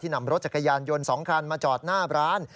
นำรถจักรยานยนต์๒คันมาจอดหน้าร้าน